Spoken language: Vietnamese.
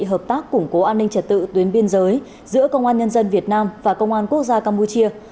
hợp tác củng cố an ninh trật tự tuyến biên giới giữa công an nhân dân việt nam và công an quốc gia campuchia